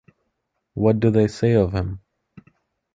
What do they say of him?